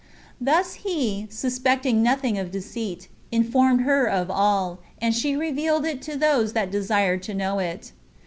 Thus he, suspecting nothing of deceit, informed her of all, and she revealed it to those that desired to know it.